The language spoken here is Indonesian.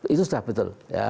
itu sudah betul